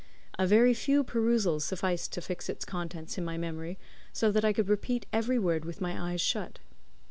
A very few perusals sufficed to fix its contents in my memory, so that I could repeat every word with my eyes shut.